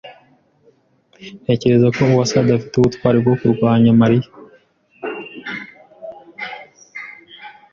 Ntekereza ko Uwase adafite ubutwari bwo kurwanya Mariya.